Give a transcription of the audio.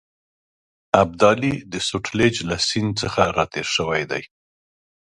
ابدالي د سوتلیج له سیند څخه را تېر شوی دی.